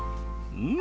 うん！